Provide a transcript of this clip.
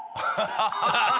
ハハハハ！